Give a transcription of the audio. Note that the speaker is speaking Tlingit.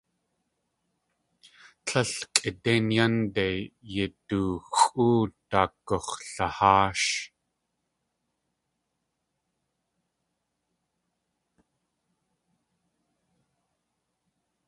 Tlél kʼidéin yánde yidooxʼú daak gux̲laháash.